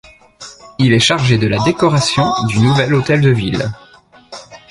Il est chargé de la décoration du nouvel Hôtel de Ville.